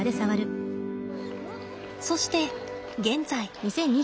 そして現在。